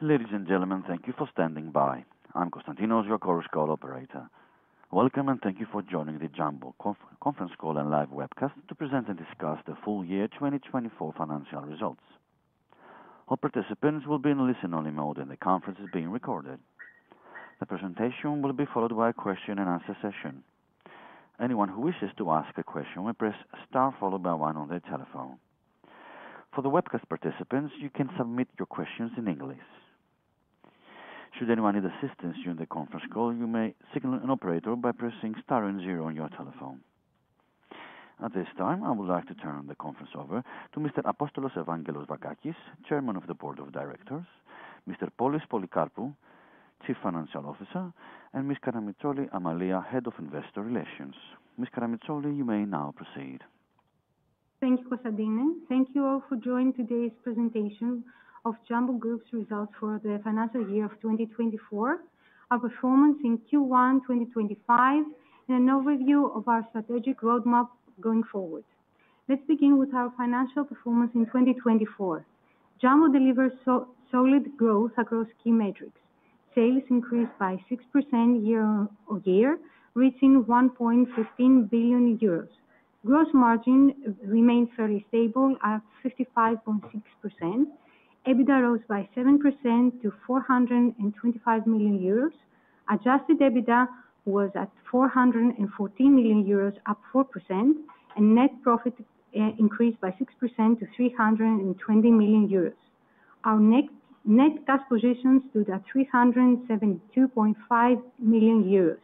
Ladies and gentlemen, thank you for standing by. I'm Konstantinos, your Chorus Call operator. Welcome, and thank you for joining the Jumbo Conference Call and Live Webcast to present and discuss the Full Year 2024 Financial Results. All participants will be in listen-only mode, and the conference is being recorded. The presentation will be followed by a question-and-answer session. Anyone who wishes to ask a question may press star followed by one on their telephone. For the webcast participants, you can submit you r questions in English. Should anyone need assistance during the conference call, you may signal an operator by pressing star and zero on your telephone. At this time, I would like to turn the conference over to Mr. Apostolos-Evangelos Vakakis, Chairman of the Board of Directors, Mr. Polys Polycarpou, Chief Financial Officer, and Ms. Amalia Karamitsoli, Head of Investor Relations. Ms. Karamitsoli, you may now proceed. Thank you, Konstantinos. Thank you all for joining today's presentation of Jumbo Group's results for the financial year of 2024, our performance in Q1 2025, and an overview of our strategic roadmap going forward. Let's begin with our financial performance in 2024. Jumbo delivers solid growth across key metrics. Sales increased by 6% year-on-year, reaching 1.15 billion euros. Gross margin remained fairly stable at 55.6%. EBITDA rose by 7% to 425 million euros. Adjusted EBITDA was at 414 million euros, up 4%, and net profit increased by 6% to 320 million euros. Our net cash positions stood at 372.5 million euros.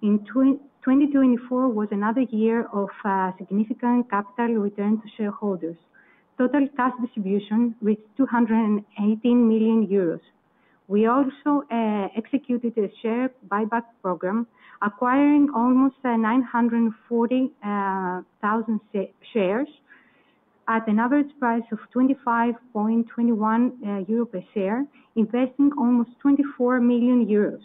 2024 was another year of significant capital return to shareholders. Total cash distribution reached 218 million euros. We also executed a share buyback program, acquiring almost 940,000 shares at an average price of 25.21 euro per share, investing almost 24 million euros.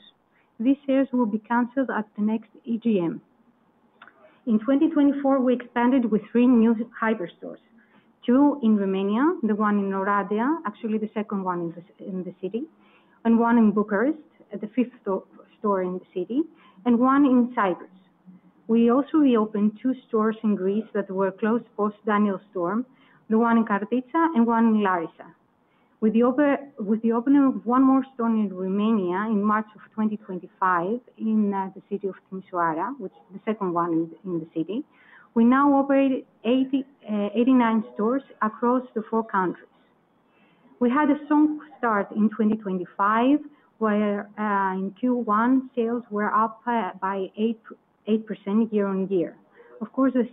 These shares will be canceled at the next EGM. In 2024, we expanded with three new hyperstores: two in Romania, the one in Oradea, actually the second one in the city, and one in Bucharest, the fifth store in the city, and one in Cyprus. We also reopened two stores in Greece that were closed post-Daniel storm, the one in Oinofyta and one in Larissa. With the opening of one more store in Romania in March of 2025 in the city of Timișoara, which is the second one in the city, we now operate 89 stores across the four countries. We had a strong start in 2025, where in Q1 sales were up by 8% year-on-year. Of course, the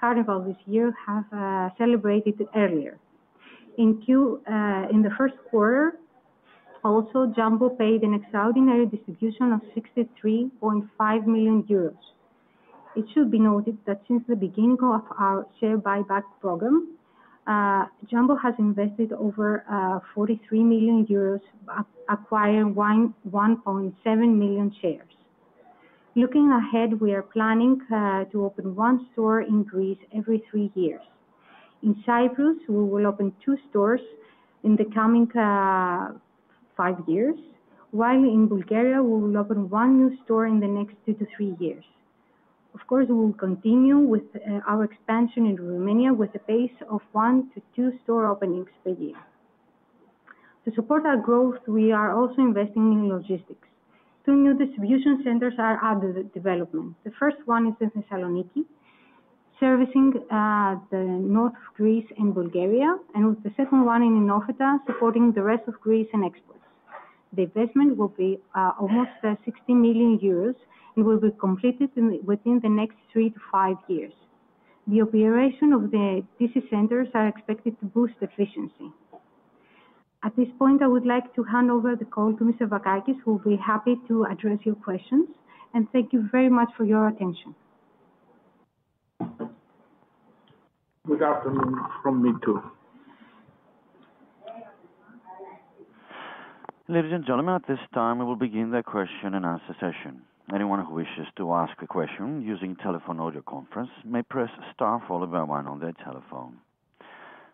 carnival this year was celebrated earlier. In the first quarter, also, Jumbo paid an extraordinary distribution of 63.5 million euros. It should be noted that since the beginning of our share buyback program, Jumbo has invested over 43 million euros, acquiring 1.7 million shares. Looking ahead, we are planning to open one store in Greece every three years. In Cyprus, we will open two stores in the coming five years, while in Bulgaria, we will open one new store in the next two to three years. Of course, we will continue with our expansion in Romania with a pace of one to two store openings per year. To support our growth, we are also investing in logistics. Two new distribution centers are under development. The first one is in Thessaloniki, servicing the north of Greece and Bulgaria, and the second one in Oinofyta, supporting the rest of Greece and exports. The investment will be almost 60 million euros and will be completed within the next three to five years. The operation of the DC centers is expected to boost efficiency. At this point, I would like to hand over the call to Mr. Vakakis, who will be happy to address your questions. Thank you very much for your attention. Good afternoon from me too. Ladies and gentlemen, at this time, we will begin the question-and-answer session. Anyone who wishes to ask a question using telephone or video conference may press star followed by one on their telephone.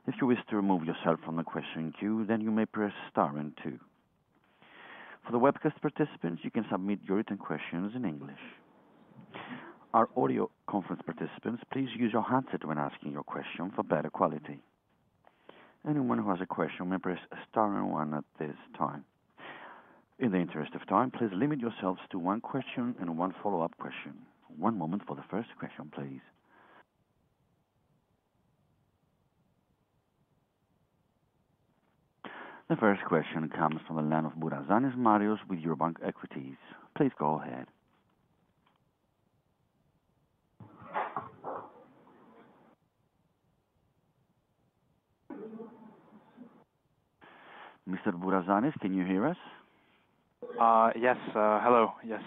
If you wish to remove yourself from the question queue, then you may press star and two. For the webcast participants, you can submit your written questions in English. Our audio conference participants, please use your handset when asking your question for better quality. Anyone who has a question may press star and one at this time. In the interest of time, please limit yourselves to one question and one follow-up question. One moment for the first question, please. The first question comes from the line of Bourazanis Marios with Eurobank Equities. Please go ahead. Mr. Bourazanis, can you hear us? Yes. Hello. Yes.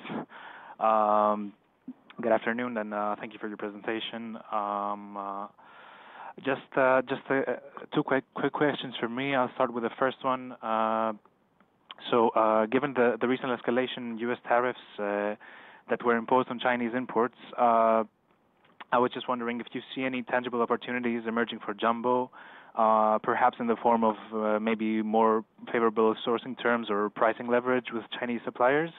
Good afternoon, and thank you for your presentation. Just two quick questions for me. I'll start with the first one. Given the recent escalation in U.S. tariffs that were imposed on Chinese imports, I was just wondering if you see any tangible opportunities emerging for Jumbo, perhaps in the form of maybe more favorable sourcing terms or pricing leverage with Chinese suppliers?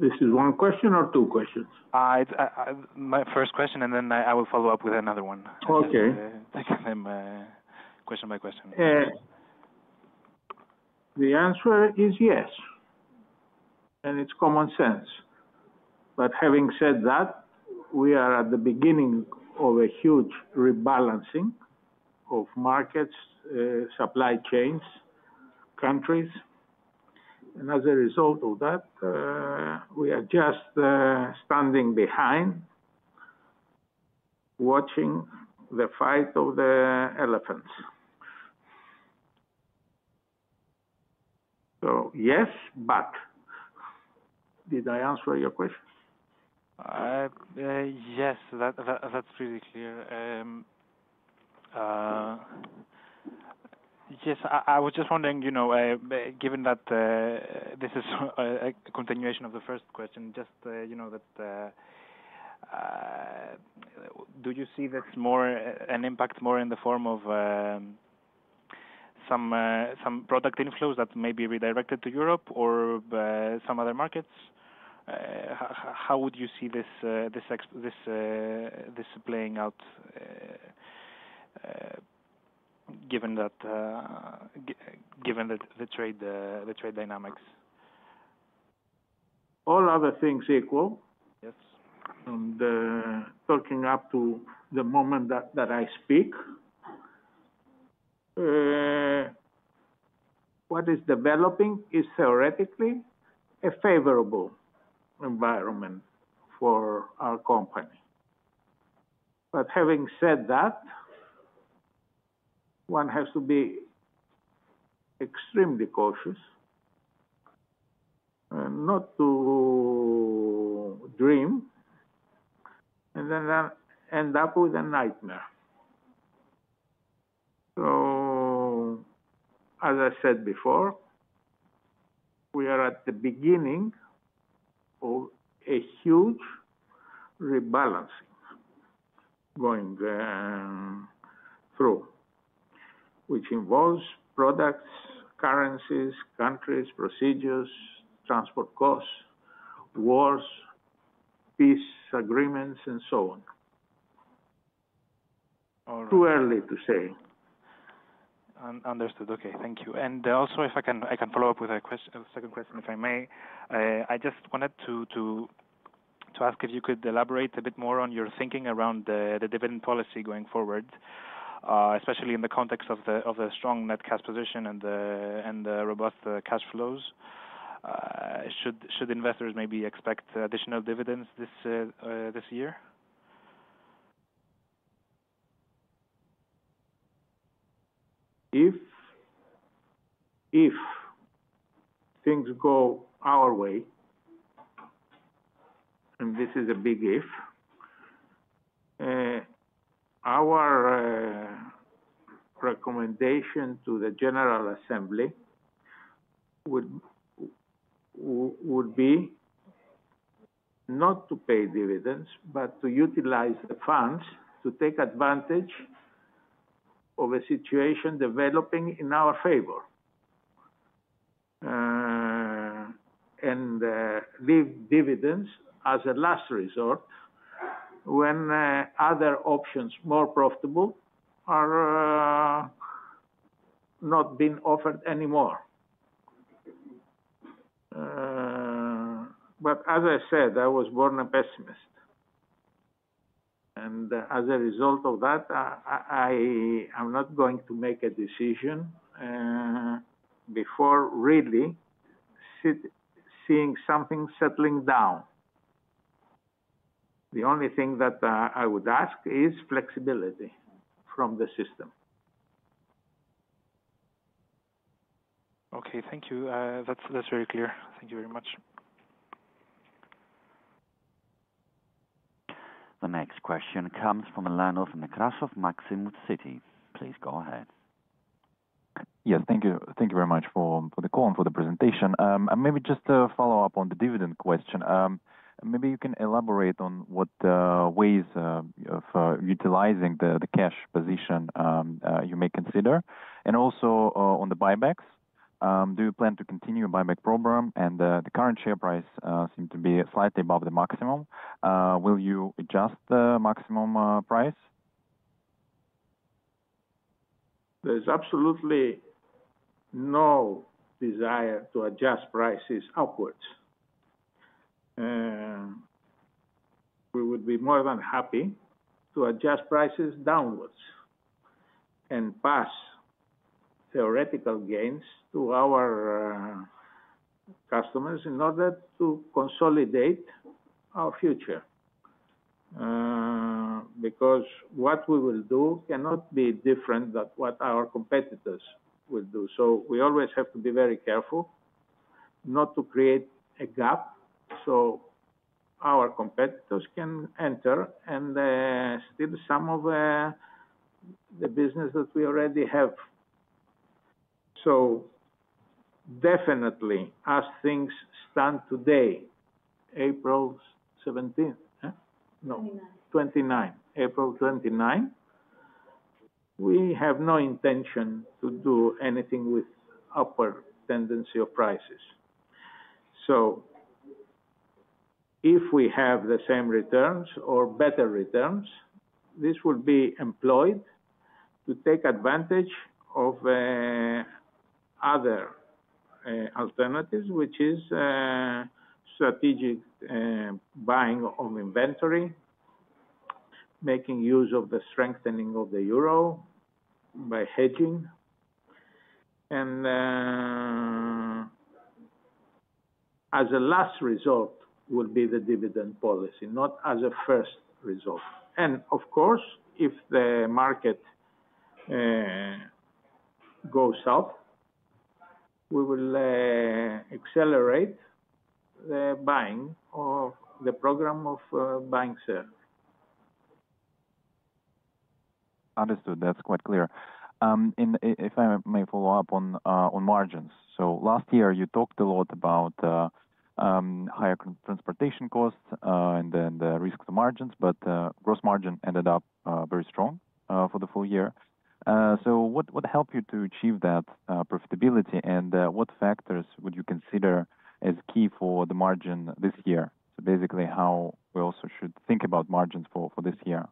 Is this one question or two questions? My first question, and then I will follow up with another one. Okay. Question by question. The answer is yes, and it's common sense. Having said that, we are at the beginning of a huge rebalancing of markets, supply chains, countries. As a result of that, we are just standing behind, watching the fight of the elephants. Yes, but did I answer your question? Yes. That's pretty clear. Yes. I was just wondering, given that this is a continuation of the first question, just that do you see that's more an impact more in the form of some product inflows that may be redirected to Europe or some other markets? How would you see this playing out given the trade dynamics? All other things equal. Yes. Talking up to the moment that I speak, what is developing is theoretically a favorable environment for our company. Having said that, one has to be extremely cautious not to dream and then end up with a nightmare. As I said before, we are at the beginning of a huge rebalancing going through, which involves products, currencies, countries, procedures, transport costs, wars, peace agreements, and so on. All right. Too early to say. Understood. Okay. Thank you. If I can follow up with a second question, if I may, I just wanted to ask if you could elaborate a bit more on your thinking around the dividend policy going forward, especially in the context of the strong net cash position and the robust cash flows. Should investors maybe expect additional dividends this year? If things go our way, and this is a big if, our recommendation to the General Assembly would be not to pay dividends, but to utilize the funds to take advantage of a situation developing in our favor and leave dividends as a last resort when other options more profitable are not being offered anymore. As I said, I was born a pessimist. As a result of that, I am not going to make a decision before really seeing something settling down. The only thing that I would ask is flexibility from the system. Okay. Thank you. That's very clear. Thank you very much. The next question comes from Nekrasov of Maximus City. Please go ahead. Yes. Thank you very much for the call and for the presentation. Maybe just to follow up on the dividend question, maybe you can elaborate on what ways of utilizing the cash position you may consider, and also on the buybacks. Do you plan to continue the buyback program? The current share price seems to be slightly above the maximum. Will you adjust the maximum price? There's absolutely no desire to adjust prices upwards. We would be more than happy to adjust prices downwards and pass theoretical gains to our customers in order to consolidate our future. What we will do cannot be different than what our competitors will do. We always have to be very careful not to create a gap so our competitors can enter and steal some of the business that we already have. Definitely, as things stand today, April 17th, no, 29th, April 29th, we have no intention to do anything with upward tendency of prices. If we have the same returns or better returns, this will be employed to take advantage of other alternatives, which is strategic buying of inventory, making use of the strengthening of the euro by hedging. As a last result, will be the dividend policy, not as a first result. Of course, if the market goes up, we will accelerate the buying of the program of buying share. Understood. That is quite clear. If I may follow up on margins, last year you talked a lot about higher transportation costs and the risk to margins, but gross margin ended up very strong for the full year. What helped you to achieve that profitability, and what factors would you consider as key for the margin this year? Basically, how should we also think about margins for this year.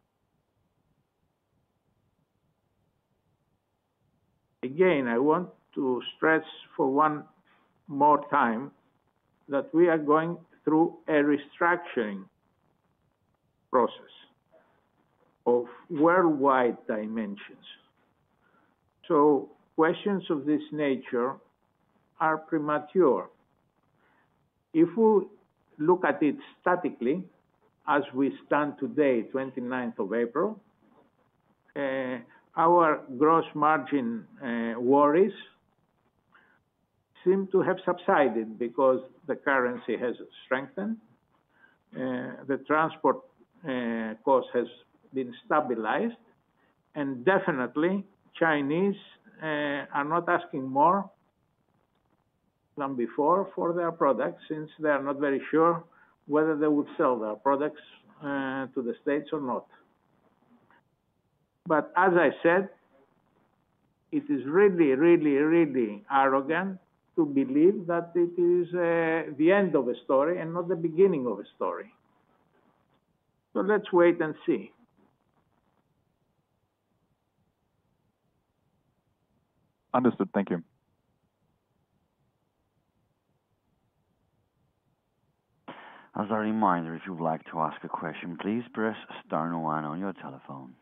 Again, I want to stress for one more time that we are going through a restructuring process of worldwide dimensions. Questions of this nature are premature. If we look at it statically as we stand today, 29th of April, our gross margin worries seem to have subsided because the currency has strengthened, the transport cost has been stabilized, and definitely, Chinese are not asking more than before for their products since they are not very sure whether they would sell their products to the states or not. As I said, it is really, really, really arrogant to believe that it is the end of a story and not the beginning of a story. Let's wait and see. Understood. Thank you. As a reminder, if you'd like to ask a question, please press star and one on your telephone.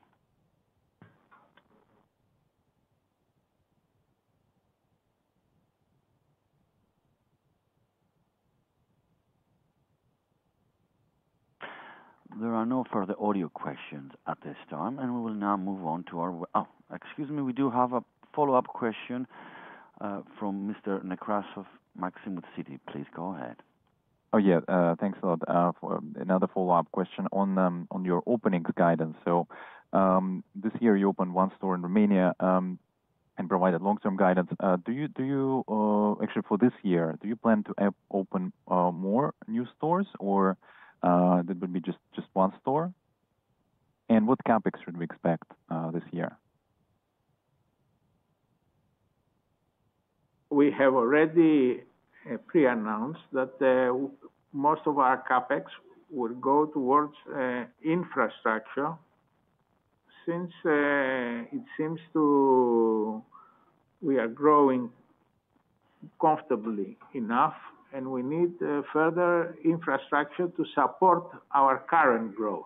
There are no further audio questions at this time, and we will now move on to our—oh, excuse me, we do have a follow-up question from Mr. Necras of Maximus City. Please go ahead. Oh, yeah. Thanks a lot for another follow-up question on your opening guidance. This year, you opened one store in Romania and provided long-term guidance. Do you—actually, for this year, do you plan to open more new stores, or that would be just one store? What CapEx should we expect this year? We have already pre-announced that most of our CapEx will go towards infrastructure since it seems we are growing comfortably enough, and we need further infrastructure to support our current growth.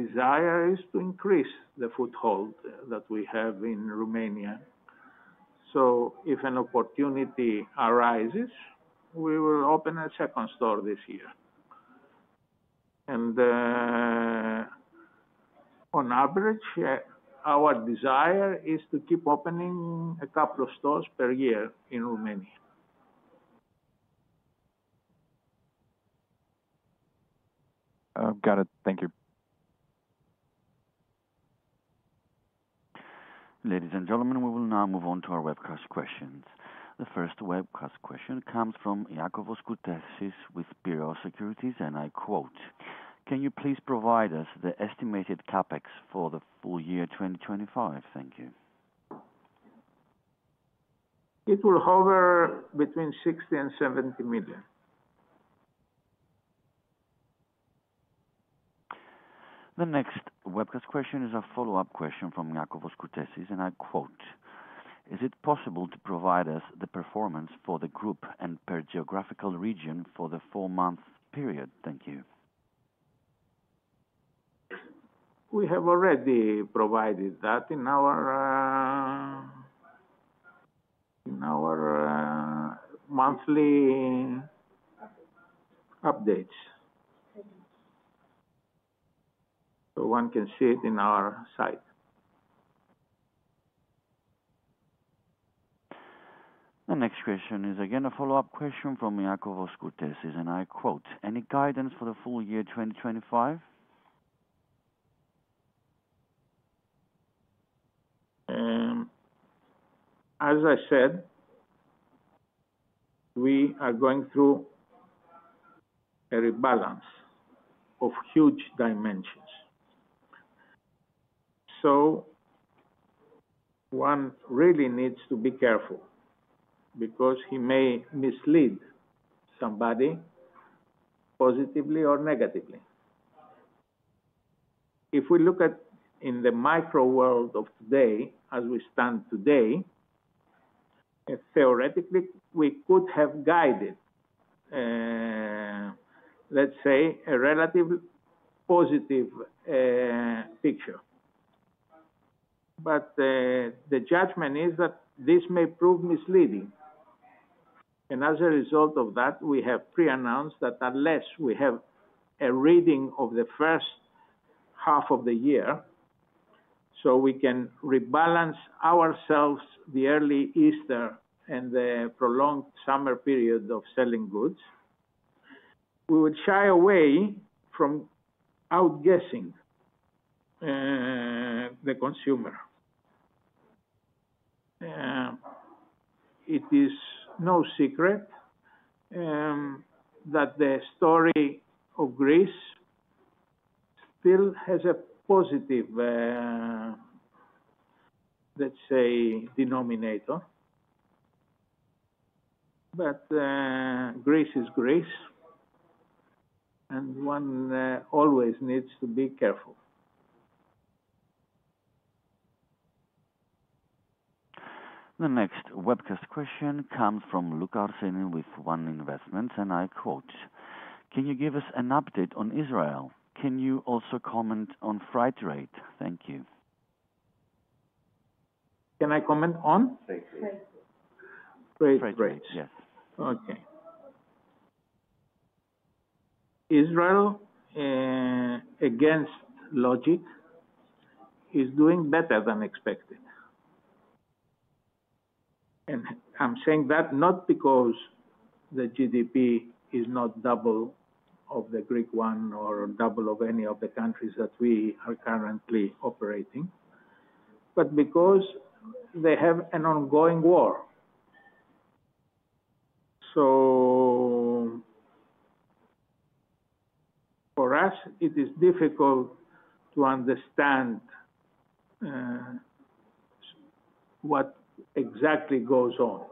Our desire is to increase the foothold that we have in Romania. If an opportunity arises, we will open a second store this year. On average, our desire is to keep opening a couple of stores per year in Romania. Got it. Thank you. Ladies and gentlemen, we will now move on to our webcast questions. The first webcast question comes from Iakovos Kourtesis with Piraeus Securities, and I quote, "Can you please provide us the estimated CapEx for the full year 2025?" Thank you. It will hover between 60 million-70 million. The next webcast question is a follow-up question from Iakovos Kourtesis, and I quote, "Is it possible to provide us the performance for the group and per geographical region for the four-month period?" Thank you. We have already provided that in our monthly updates. One can see it in our site. The next question is again a follow-up question from Iakovos Kourtesis, and I quote, "Any guidance for the full year 2025? As I said, we are going through a rebalance of huge dimensions. One really needs to be careful because he may mislead somebody positively or negatively. If we look at in the micro world of today, as we stand today, theoretically, we could have guided, let's say, a relatively positive picture. The judgment is that this may prove misleading. As a result of that, we have pre-announced that unless we have a reading of the first half of the year so we can rebalance ourselves, the early Easter and the prolonged summer period of selling goods, we would shy away from outguessing the consumer. It is no secret that the story of Greece still has a positive, let's say, denominator. Greece is Greece, and one always needs to be careful. The next webcast question comes from Luke Arsenin with One Investments, and I quote, "Can you give us an update on Israel? Can you also comment on freight rate?" Thank you. Can I comment on? Safety. Great. Freight rate. Yes. Okay. Israel against logic is doing better than expected. I am saying that not because the GDP is not double of the Greek one or double of any of the countries that we are currently operating, but because they have an ongoing war. For us, it is difficult to understand what exactly goes on.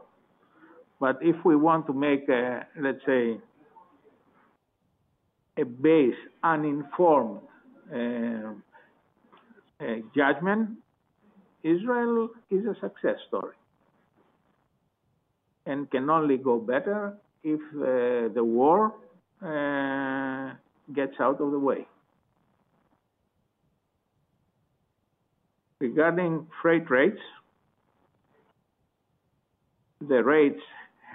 If we want to make, let's say, a base uninformed judgment, Israel is a success story and can only go better if the war gets out of the way. Regarding freight rates, the rates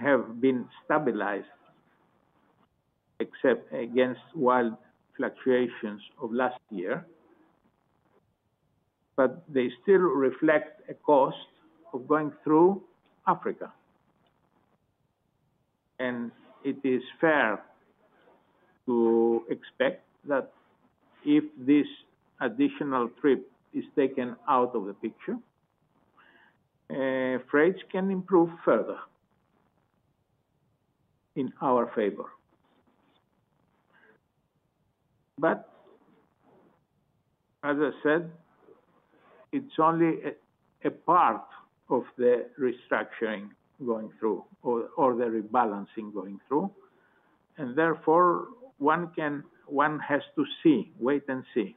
have been stabilized except against wild fluctuations of last year, but they still reflect a cost of going through Africa. It is fair to expect that if this additional trip is taken out of the picture, freight can improve further in our favor. As I said, it's only a part of the restructuring going through or the rebalancing going through. Therefore, one has to wait and see.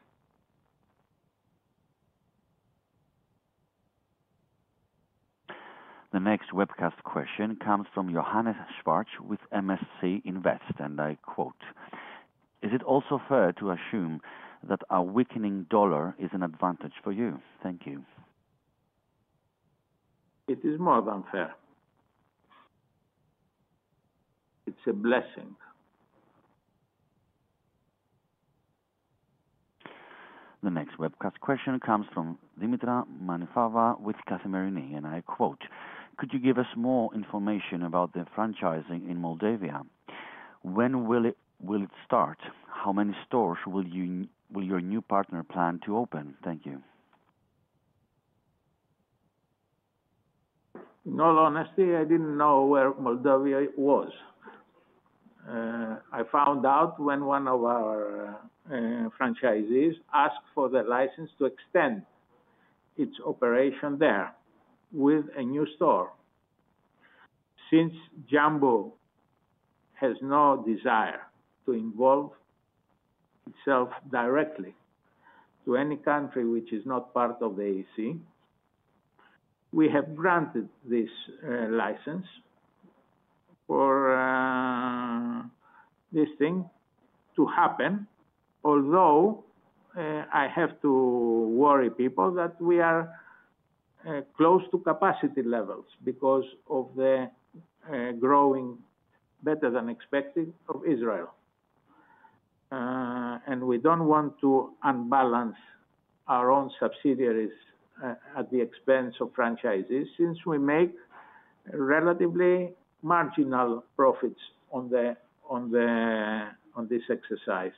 The next webcast question comes from Johannes Schwarz with MSC Invest, and I quote, "Is it also fair to assume that a weakening dollar is an advantage for you?" Thank you. It is more than fair. It's a blessing. The next webcast question comes from Dimitra Manifava with Kathimerini, and I quote, "Could you give us more information about the franchising in Moldova? When will it start? How many stores will your new partner plan to open?" Thank you. In all honesty, I didn't know where Moldova was. I found out when one of our franchisees asked for the license to extend its operation there with a new store. Since Jumbo has no desire to involve itself directly to any country which is not part of the EC, we have granted this license for this thing to happen, although I have to worry people that we are close to capacity levels because of the growing better than expected of Israel. We don't want to unbalance our own subsidiaries at the expense of franchisees since we make relatively marginal profits on this exercise.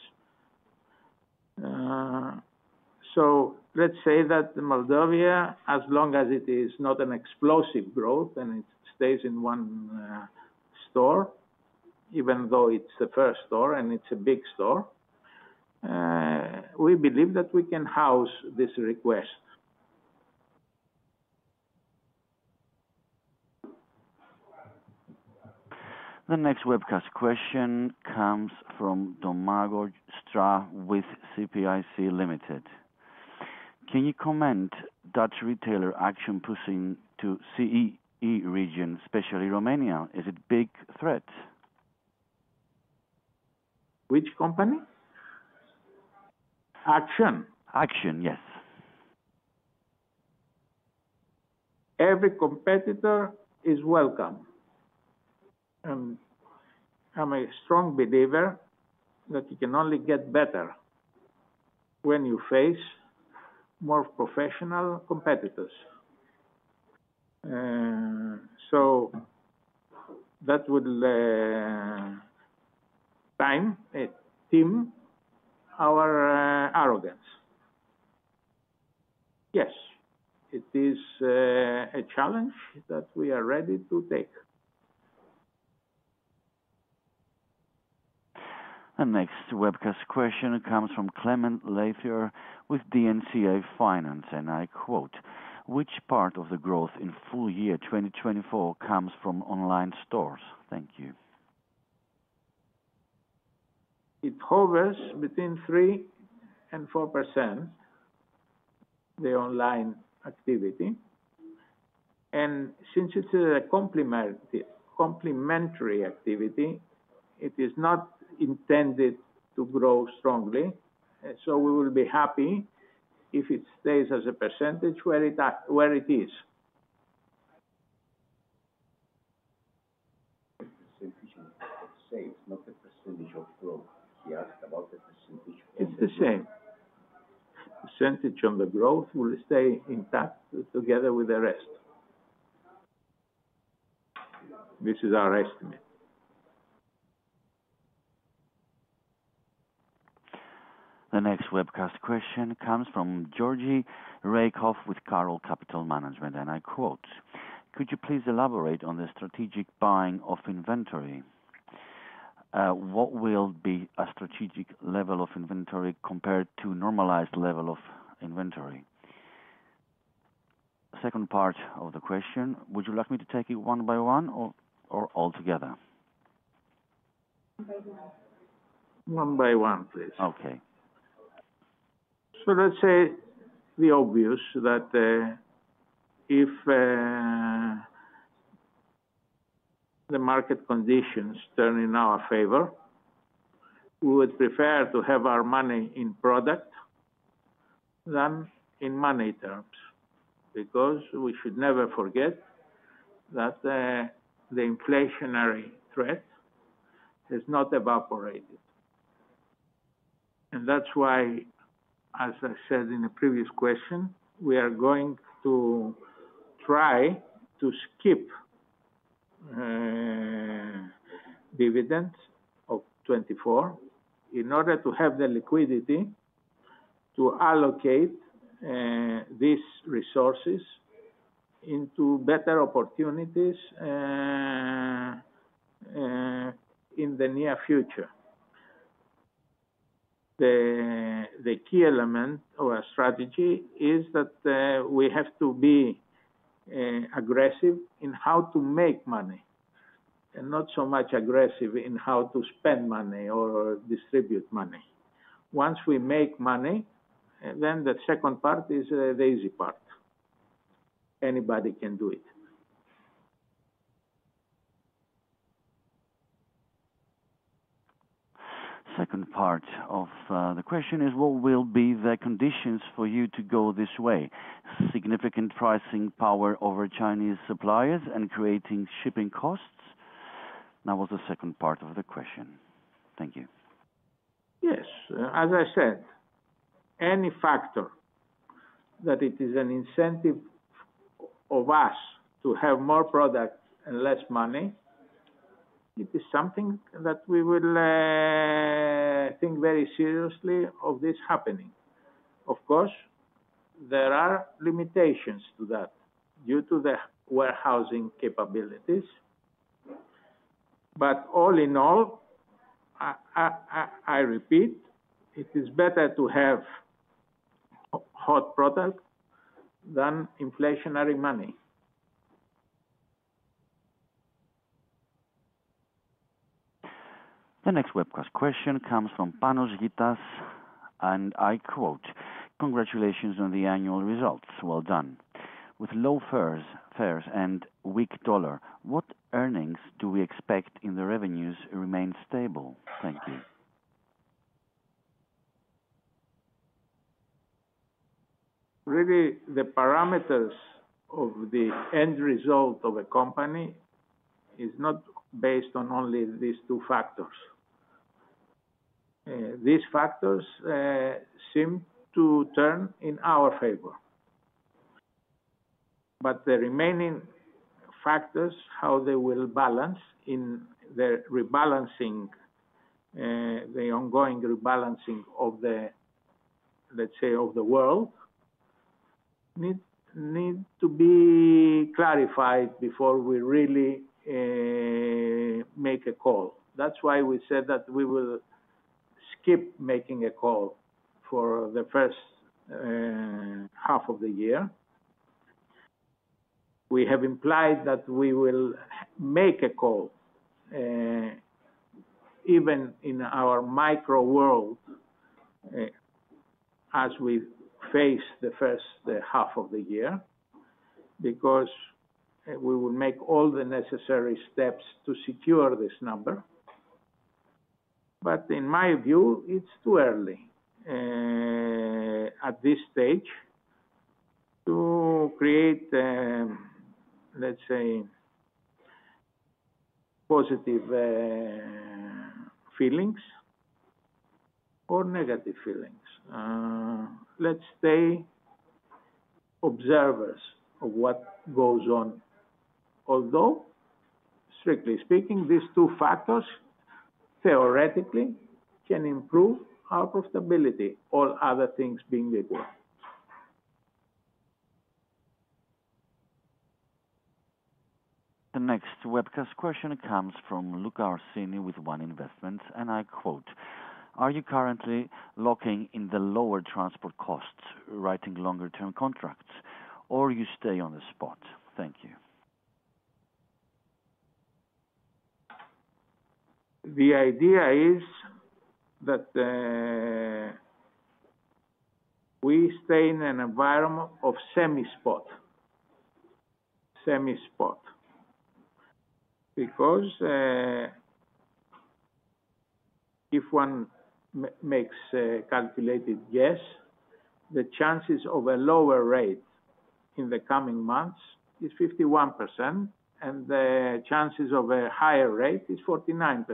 Let's say that Moldova, as long as it is not an explosive growth and it stays in one store, even though it's the first store and it's a big store, we believe that we can house this request. The next webcast question comes from Domagoj Strah with CPIC Limited. "Can you comment Dutch retailer Action pushing to CEE region, especially Romania? Is it a big threat? Which company? Action. Action, yes. Every competitor is welcome. I'm a strong believer that you can only get better when you face more professional competitors. That will time a team our arrogance. Yes, it is a challenge that we are ready to take. The next webcast question comes from Clement Lathier with DNCA Finance, and I quote, "Which part of the growth in full year 2024 comes from online stores?" Thank you. It hovers between 3% and 4%, the online activity. Since it is a complementary activity, it is not intended to grow strongly. We will be happy if it stays as a percentage where it is. It's the same % of growth. He asked about the %. It's the same. Percentage on the growth will stay intact together with the rest. This is our estimate. The next webcast question comes from Georgi Raykov with Karoll Capital Management, and I quote, "Could you please elaborate on the strategic buying of inventory? What will be a strategic level of inventory compared to normalized level of inventory?" Second part of the question, "Would you like me to take it one by one or all together? One by one, please. Okay. Let us say the obvious that if the market conditions turn in our favor, we would prefer to have our money in product than in money terms because we should never forget that the inflationary threat has not evaporated. That is why, as I said in the previous question, we are going to try to skip dividends of 2024 in order to have the liquidity to allocate these resources into better opportunities in the near future. The key element of our strategy is that we have to be aggressive in how to make money and not so much aggressive in how to spend money or distribute money. Once we make money, then the second part is the easy part. Anybody can do it. Second part of the question is, "What will be the conditions for you to go this way? Significant pricing power over Chinese suppliers and creating shipping costs?" That was the second part of the question. Thank you. Yes. As I said, any factor that it is an incentive of us to have more product and less money, it is something that we will think very seriously of this happening. Of course, there are limitations to that due to the warehousing capabilities. All in all, I repeat, it is better to have hot product than inflationary money. The next webcast question comes from Panos Gitas, and I quote, "Congratulations on the annual results. Well done. With low fares and weak dollar, what earnings do we expect if the revenues remain stable?" Thank you. Really, the parameters of the end result of a company is not based on only these two factors. These factors seem to turn in our favor. The remaining factors, how they will balance in the rebalancing, the ongoing rebalancing of the, let's say, of the world, need to be clarified before we really make a call. That is why we said that we will skip making a call for the first half of the year. We have implied that we will make a call even in our micro world as we face the first half of the year because we will make all the necessary steps to secure this number. In my view, it is too early at this stage to create, let's say, positive feelings or negative feelings. Let's stay observers of what goes on. Although, strictly speaking, these two factors theoretically can improve our profitability, all other things being equal. The next webcast question comes from Luke Arsenin with One Investments, and I quote, "Are you currently locking in the lower transport costs, writing longer-term contracts, or you stay on the spot?" Thank you. The idea is that we stay in an environment of semi-spot. Semi-spot. Because if one makes a calculated guess, the chances of a lower rate in the coming months is 51%, and the chances of a higher rate is 49%.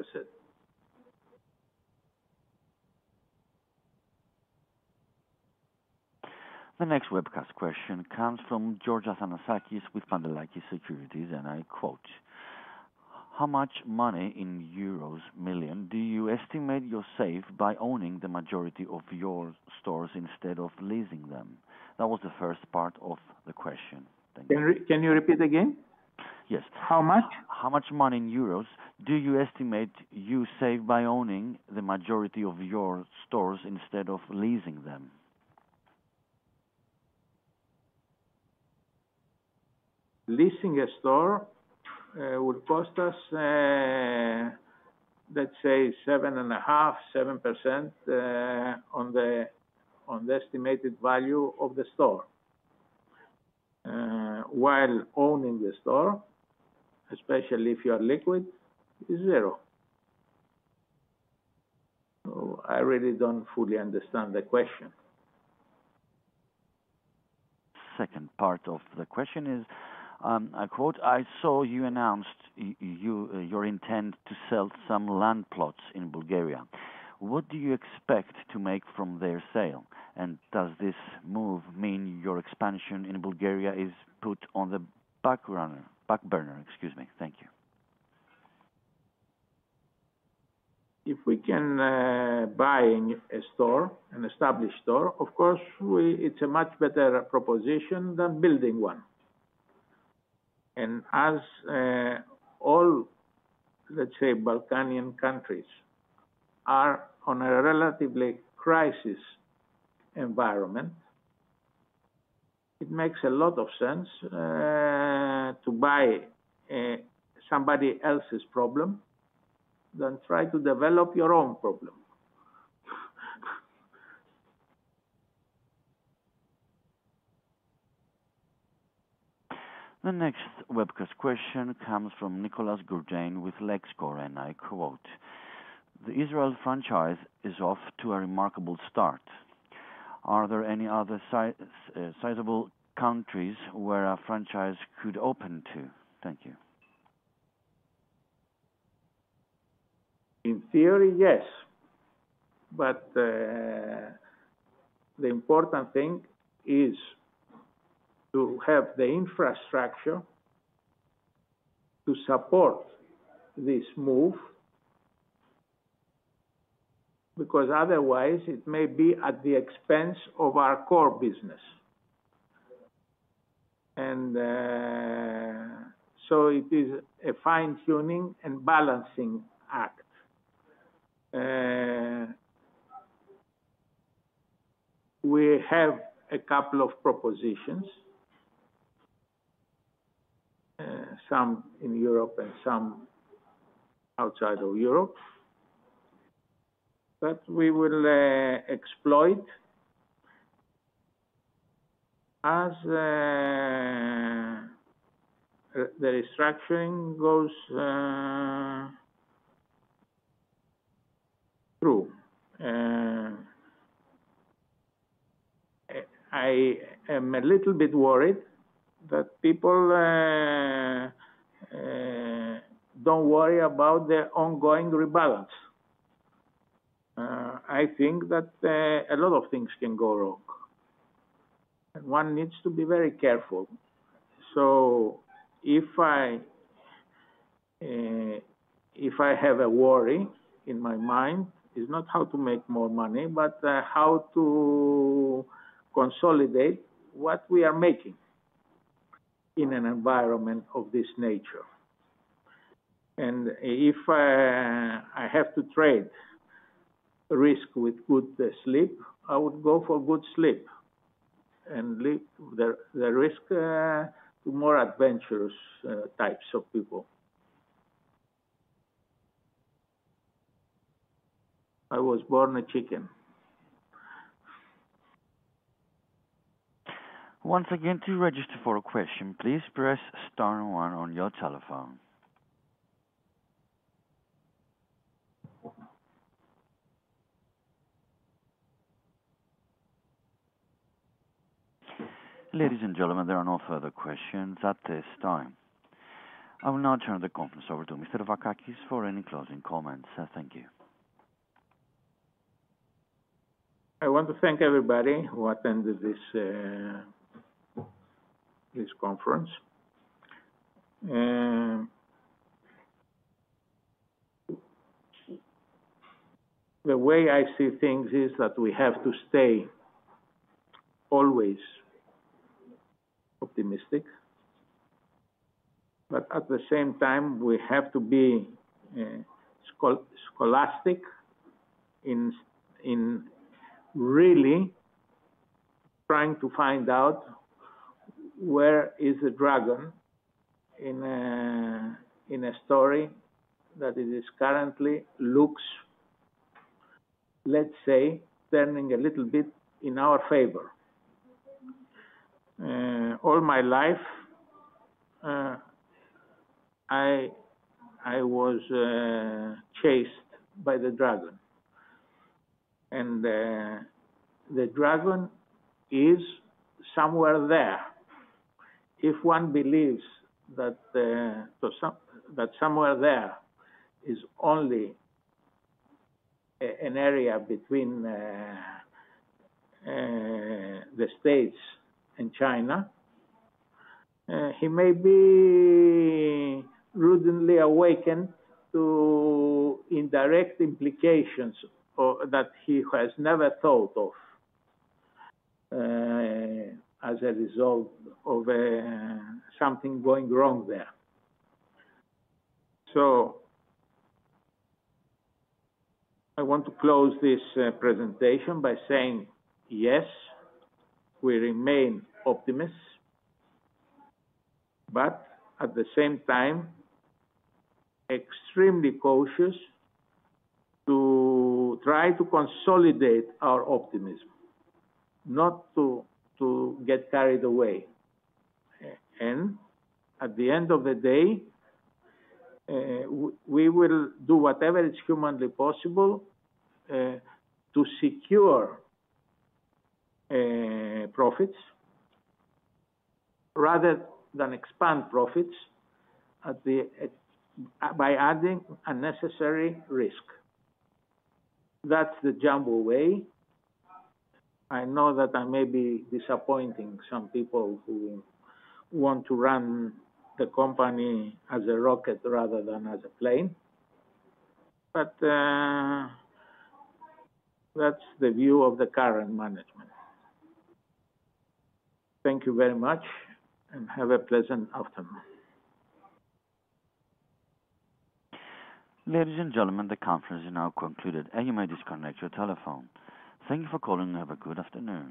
The next webcast question comes from George Athanasakis with Pantelakis Securities, and I quote, "How much money in euros million do you estimate you're safe by owning the majority of your stores instead of leasing them?" That was the first part of the question. Thank you. Can you repeat again? Yes. How much? How much money in euros do you estimate you save by owning the majority of your stores instead of leasing them? Leasing a store will cost us, let's say, 7.5%, 7% on the estimated value of the store. While owning the store, especially if you are liquid, is zero. I really don't fully understand the question. The second part of the question is, "I quote, I saw you announced your intent to sell some land plots in Bulgaria. What do you expect to make from their sale? Does this move mean your expansion in Bulgaria is put on the back burner?" Excuse me. Thank you. If we can buy a store, an established store, of course, it's a much better proposition than building one. As all, let's say, Balkanian countries are on a relatively crisis environment, it makes a lot of sense to buy somebody else's problem than try to develop your own problem. The next webcast question comes from Nicolas Gourdain with Lexcore, and I quote, "The Israel franchise is off to a remarkable start. Are there any other sizable countries where a franchise could open to?" Thank you. In theory, yes. The important thing is to have the infrastructure to support this move because otherwise it may be at the expense of our core business. It is a fine-tuning and balancing act. We have a couple of propositions, some in Europe and some outside of Europe, that we will exploit as the restructuring goes through. I am a little bit worried that people do not worry about the ongoing rebalance. I think that a lot of things can go wrong. One needs to be very careful. If I have a worry in my mind, it is not how to make more money, but how to consolidate what we are making in an environment of this nature. If I have to trade risk with good sleep, I would go for good sleep and leave the risk to more adventurous types of people. I was born a chicken. Once again, to register for a question, please press star one on your telephone. Ladies and gentlemen, there are no further questions at this time. I will now turn the conference over to Mr. Vakakis for any closing comments. Thank you. I want to thank everybody who attended this conference. The way I see things is that we have to stay always optimistic. At the same time, we have to be scholastic in really trying to find out where is the dragon in a story that currently looks, let's say, turning a little bit in our favor. All my life, I was chased by the dragon. The dragon is somewhere there. If one believes that somewhere there is only an area between the states and China, he may be rudely awakened to indirect implications that he has never thought of as a result of something going wrong there. I want to close this presentation by saying, yes, we remain optimists, but at the same time, extremely cautious to try to consolidate our optimism, not to get carried away. At the end of the day, we will do whatever is humanly possible to secure profits rather than expand profits by adding unnecessary risk. That is the Jumbo way. I know that I may be disappointing some people who want to run the company as a rocket rather than as a plane. That is the view of the current management. Thank you very much, and have a pleasant afternoon. Ladies and gentlemen, the conference is now concluded, and you may disconnect your telephone. Thank you for calling, and have a good afternoon.